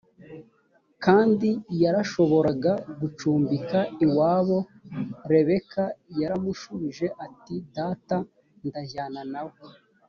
kandi yarashoboraga gucumbika iwabo rebeka yaramushubije ati data ndajyana na we